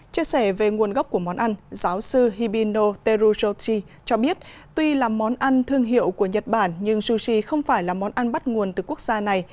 chia sẻ về nguồn gốc của món ăn giáo sư hibino teruti cho biết tuy là món ăn thương hiệu của nhật bản nhưng sushi không phải là món ăn bắt nguồn từ quốc gia này